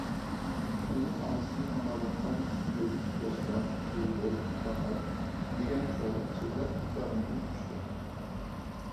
ئۇنىڭ ئاغزىدىن ئاڭلاۋاتقان گۈل، بوستان، بۇلبۇل، باھار دېگەن چىرايلىق سۆزلەر خىيالىمدىن ئۇچتى.